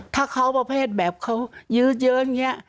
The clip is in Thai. ถ้าเขาประเภทแบบเขายื้อเยินอย่างนี้